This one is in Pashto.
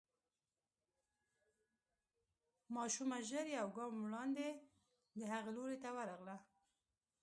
ماشومه ژر يو ګام وړاندې د هغه لوري ته ورغله.